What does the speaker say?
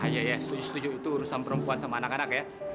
ya ya setuju setuju itu urusan perempuan sama anak anak ya